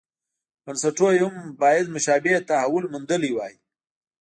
بنسټونو یې هم باید مشابه تحول موندلی وای.